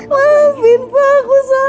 maafin pak aku salah